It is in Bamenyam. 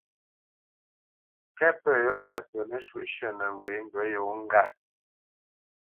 Kɛ́t pə̂ tâʼ yɔ̂ yâ pə nəshǔʼshʉ̂ nə́ ŋgwênə ndǔ yǒ ŋgât.